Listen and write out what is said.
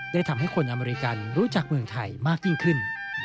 ทำให้คนอเมริกันรู้จักเมืองไทยมากยิ่งขึ้น